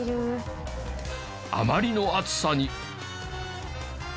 あまりの暑さに。